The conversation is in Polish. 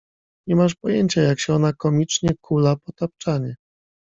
«Nie masz pojęcia, jak się ona komicznie kula po tapczanie.